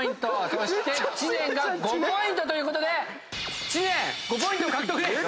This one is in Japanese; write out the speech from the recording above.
そして知念が５ポイントということで知念５ポイント獲得です。